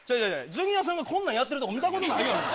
ジュニアさんがこんなんやってるとこ見たことない。